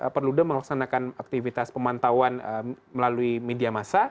perludem melaksanakan aktivitas pemantauan melalui media massa